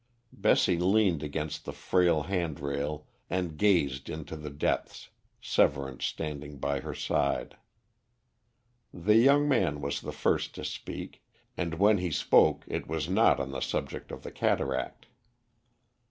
Bessie leaned against the frail handrail and gazed into the depths, Severance standing by her side. The young man was the first to speak, and when he spoke it was not on the subject of the cataract.